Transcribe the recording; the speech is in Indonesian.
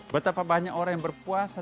betapa banyak orang yang berpuasa